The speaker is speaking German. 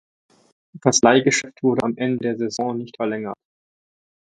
Das Leihgeschäft wurde am Ende der Saison nicht verlängert.